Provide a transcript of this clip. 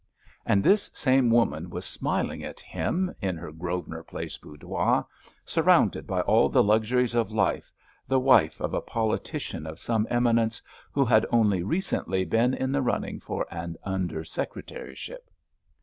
And this same woman was smiling at him in her Grosvenor Place boudoir, surrounded by all the luxuries of life, the wife of a politician of some eminence, who had only recently been in the running for an under secretaryship.